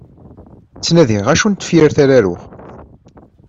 Ttnadiɣ acu n tefyirt ara aruɣ.